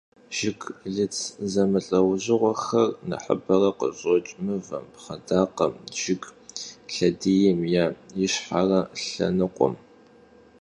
Jjıglıts zemılh'eujığuexer nexhıbere khışoç' mıvem, pxhedakhem, jjıg lhediym ya yişxhere lhenıkhuem.